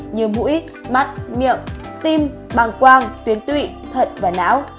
như mũi mắt miệng tim bàng quang tuyến tụy thận và não